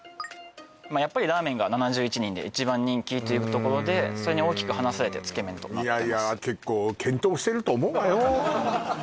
やっぱりラーメンが７１人で一番人気というところでそれに大きく離されてつけ麺となってます